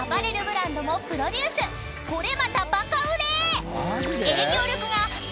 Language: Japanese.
［これまたバカ売れ！］